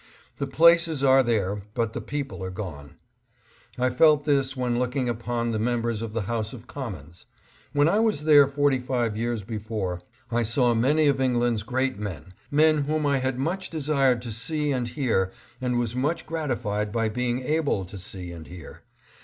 The places are there, but the people are gone. I felt this when looking upon the members of the House of Com mons. When I was there forty five years before, I saw many of England's great men ; men whom I had much REVISITS PARLIAMENT. 675 desired to see and hear and was much gratified by being able to see and hear.